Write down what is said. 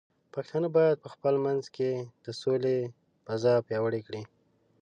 پښتانه بايد په خپل منځ کې د سولې فضاء پیاوړې کړي.